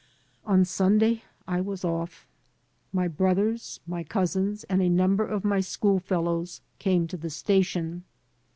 On Sunday I was off. My brothers, my cousins, and a number of my schoolfellows came to the station.